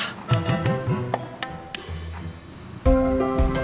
kakak itu dompet ya